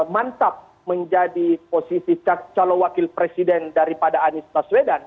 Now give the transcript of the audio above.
mantap menjadi posisi calon wakil presiden daripada anies baswedan